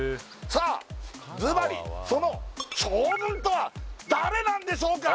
さあずばりその将軍とは誰なんでしょうか